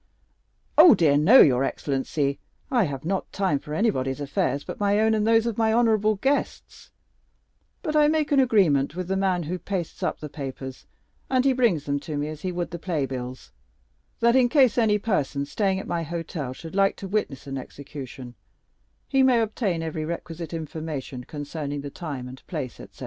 "Oh, dear, no, your excellency! I have not time for anybody's affairs but my own and those of my honorable guests; but I make an agreement with the man who pastes up the papers, and he brings them to me as he would the playbills, that in case any person staying at my hotel should like to witness an execution, he may obtain every requisite information concerning the time and place etc."